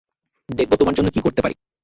দেখব তোমার জন্য কী করতে পারি।